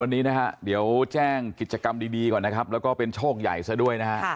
วันนี้นะฮะเดี๋ยวแจ้งกิจกรรมดีก่อนนะครับแล้วก็เป็นโชคใหญ่ซะด้วยนะฮะ